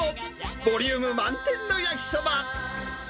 ボリューム満点の焼きそば。